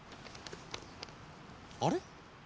あれ？